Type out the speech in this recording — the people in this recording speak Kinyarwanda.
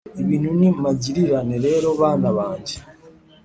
ibintu ni magirirane rero bana bange